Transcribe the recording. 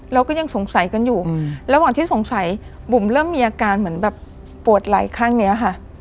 เราก็ยังสงสัยกันอยู่ระหว่างที่สงสัยบุ๋มเริ่มมีอาการเหมือนแบบปวดไหลข้างนี้ค่ะ